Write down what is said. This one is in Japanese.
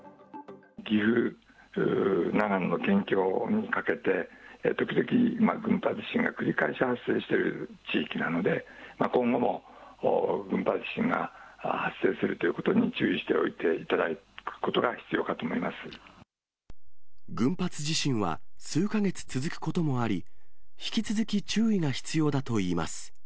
岐阜・長野の県境にかけて、時々、群発地震が繰り返し発生している地域なので、今後も群発地震が発生することということに注意しておいていただ群発地震は、数か月続くこともあり、引き続き注意が必要だといいます。